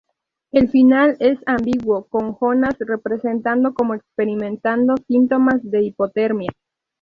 El final es ambiguo, con Jonas representado como experimentando síntomas de hipotermia.